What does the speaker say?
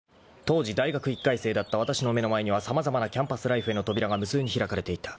［当時大学１回生だったわたしの目の前には様々なキャンパスライフへの扉が無数に開かれていた］